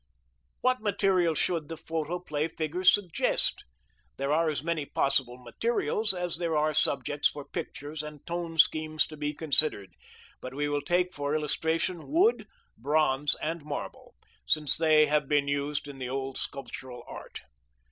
What materials should the photoplay figures suggest? There are as many possible materials as there are subjects for pictures and tone schemes to be considered. But we will take for illustration wood, bronze, and marble, since they have been used in the old sculptural art.